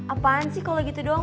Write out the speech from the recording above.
apaan sih kalau gitu doang